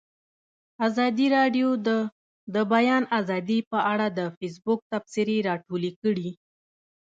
ازادي راډیو د د بیان آزادي په اړه د فیسبوک تبصرې راټولې کړي.